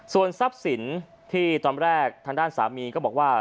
ส่วนทรัพย์สินที่ตอนแรกทางด้านสามีก็บอกว่า